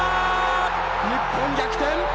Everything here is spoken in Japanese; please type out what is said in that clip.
日本逆転！